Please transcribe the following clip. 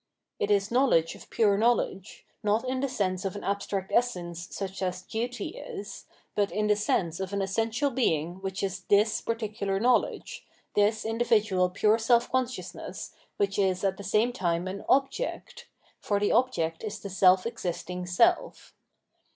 It is knowledge of pure knowledge, not in the sense of an abstract essence such as duty is, but in the sense of an essential being which is this particular knowledge, this individual pure seK con sciousness which is at the same time an object; for the object is the self existing self.